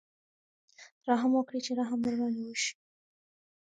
رحم وکړئ چې رحم در باندې وشي.